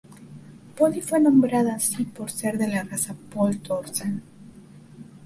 Polly fue nombrada así por ser de la raza Poll Dorset.